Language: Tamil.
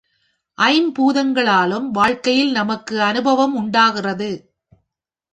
ஐம்பூதங்களாலும் வாழ்க்கையில் நமக்கு அநுபவம் உண்டாகிறது.